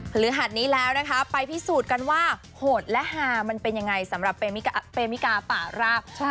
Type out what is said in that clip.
หรือหัดนี้แล้วนะคะไปพิสูจน์กันว่าโหดและฮามันเป็นยังไงสำหรับเปมิกาป่าราบ